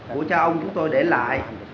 của cha ông chúng tôi để lại